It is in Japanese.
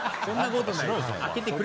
そんなことない。